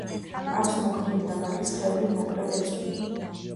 აქვს მოქნილი, დაბალი სხეული, მოკლე ბეწვი.